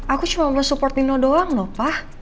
aku cuma mau support nino doang loh pak